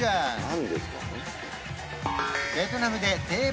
何ですか？